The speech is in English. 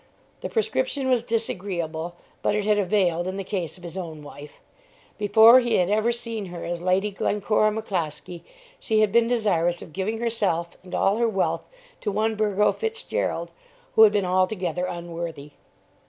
The prescription was disagreeable, but it had availed in the case of his own wife. Before he had ever seen her as Lady Glencora McCloskie she had been desirous of giving herself and all her wealth to one Burgo Fitzgerald, who had been altogether unworthy.